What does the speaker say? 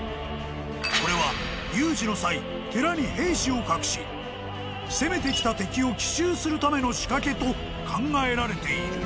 ［これは有事の際寺に兵士を隠し攻めてきた敵を奇襲するための仕掛けと考えられている］